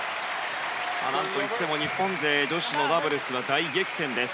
何といっても、日本勢の女子ダブルスは大激戦です。